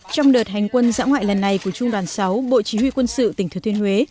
trong đợt hành quân dã ngoại lần này của trung đoàn sáu bộ chỉ huy quân sự tỉnh thừa thiên huế